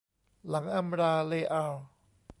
หลังอำลา เรอัล